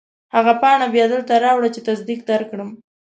هغه پاڼه بیا دلته راوړه چې تصدیق درکړم.